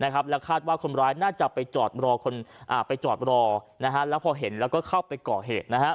แล้วคาดว่าคนร้ายน่าจะไปจอดรอแล้วพอเห็นแล้วก็เข้าไปก่อเหตุ